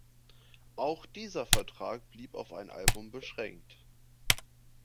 Auch dieser Vertrag blieb auf ein Album beschränkt.